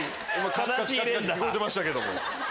カチカチ聞こえてましたけども。